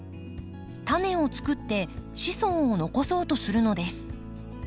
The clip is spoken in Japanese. タネをつくって子孫を残そうとするのです。